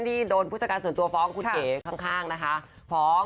ที่โดนผู้จัดการส่วนตัวฟ้องคุณเก๋ข้างนะคะฟ้อง